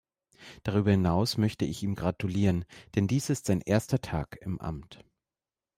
Darüber hinaus möchte ich ihm gratulieren, denn dies ist sein erster Tag im Amt.